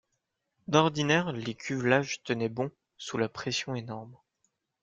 D'ordinaire, les cuvelages tenaient bon, sous la pression énorme.